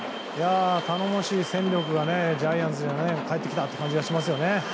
頼もしい戦力がジャイアンツにも帰ってきたって感じがしますね。